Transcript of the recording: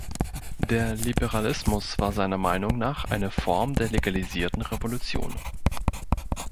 Der Liberalismus war seiner Meinung nach eine Form der legalisierten Revolution.